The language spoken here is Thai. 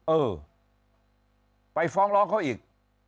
เออไปฟ้องร้องเขาอีก